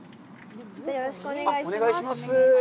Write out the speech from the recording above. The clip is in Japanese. よろしくお願いします。